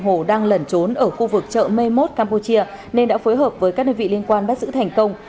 hổ đang lẩn trốn ở khu vực chợ mê mốt campuchia nên đã phối hợp với các đơn vị liên quan bắt giữ thành công